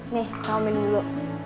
nih komen dulu